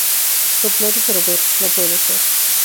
Soplar y sorber, no puede ser